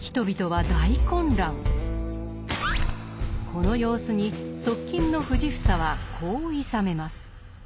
この様子に側近の藤房はこういさめます。